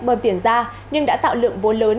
bơm tiền ra nhưng đã tạo lượng vốn lớn